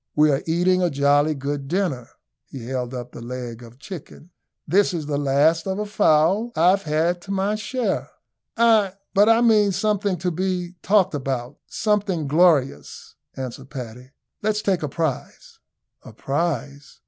"We are eating a jolly good dinner." He held up the leg of a chicken. "This is the last of a fowl I've had to my share." "Ay, but I mean something to be talked about something glorious," answered Paddy. "Let's take a prize." "A prize!